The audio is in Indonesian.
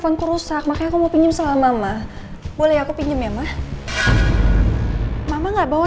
aku rusak makanya aku mau pinjam sama mama boleh aku pinjam ya mah mama nggak bawa